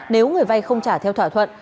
nếu người vay không trả theo thỏa thuận